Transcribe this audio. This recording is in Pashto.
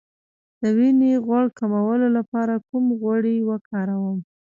د وینې غوړ کمولو لپاره کوم غوړي وکاروم؟